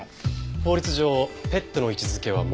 法律上ペットの位置づけは物。